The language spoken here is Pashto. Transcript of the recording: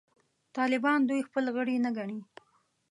طالبان دوی خپل غړي نه ګڼي.